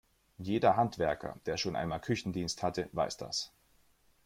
Jeder Handwerker, der schon einmal Küchendienst hatte, weiß das.